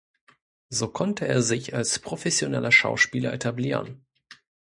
So konnte er sich als professioneller Schauspieler etablieren.